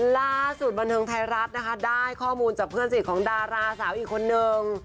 ล่าสุดบันเทิงไทยรัฐนะคะได้ข้อมูลจากเพื่อนสนิทของดาราสาวอีกคนนึง